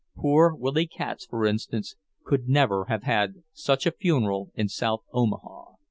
Poor Willy Katz, for instance, could never have had such a funeral in South Omaha.